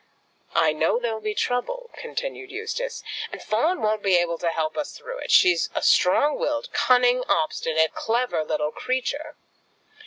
"I know there'll be trouble," continued Eustace, "and Fawn won't be able to help us through it. She's a strong willed, cunning, obstinate, clever little creature.